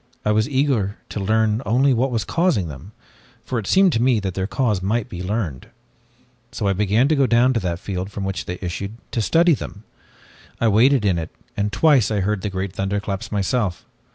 I was eager to learn only what was causing them, for it seemed to me that their cause might be learned. "So I began to go to that field from which they issued, to study them. I waited in it and twice I heard the great thunderclaps myself.